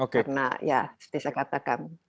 karena ya seperti saya katakan